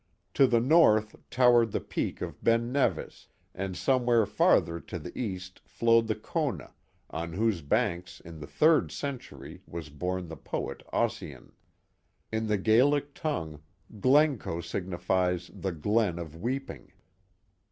To the north towered the peak of Ben Nevis, and somewhat farther to the east flowed the Cona, on whose bank in the third century was born the poet Ossian. In the Gaelic tongue, Glencoe signifies the Glen of Weeping.